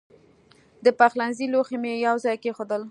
د پخلنځي لوښي مې یو ځای کېښودل.